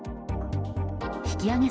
引き揚げ